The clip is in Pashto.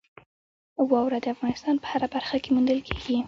واوره د افغانستان په هره برخه کې موندل کېږي.